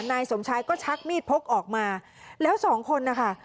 นายสมชายก็ชักมีดพกออกมาแล้วสองคนนะคะ